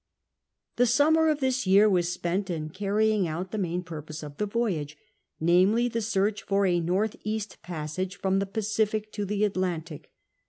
The summer of this year was spent in carrying out the main puiqiosc of the voyage — namely, the search for a north cast passage from %ho Pacific to the Atlantic.